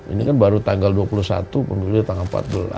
ini kan baru tanggal dua puluh satu penduduknya tanggal empat belas